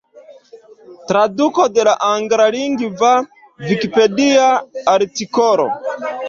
Traduko de la anglalingva vikipedia artikolo.